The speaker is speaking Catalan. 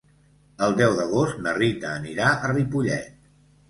El deu d'agost na Rita anirà a Ripollet.